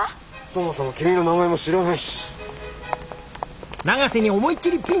そもそも君の名前も知らないし。